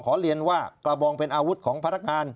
เรียนว่ากระบองเป็นอาวุธของพนักงาน